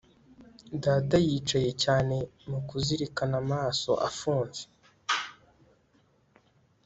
Data yicaye cyane mu kuzirikana amaso afunze